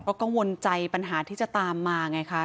เขาก็วนใจปัญหาที่จะตามมาไงค่ะ